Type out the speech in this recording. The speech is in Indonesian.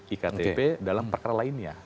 iktp dalam perkara lainnya